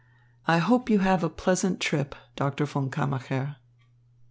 I hope you have a pleasant trip, Doctor von Kammacher."